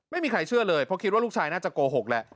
ไม่มีใครเชื่อเลยเพราะคิดว่าลูกชายน่าจะโกหกแหละ